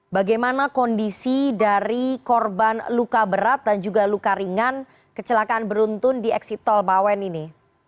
bagaimana kondisi dari korban luka berat dan juga luka ringan kecelakaan beruntun di eksit tol bawen ini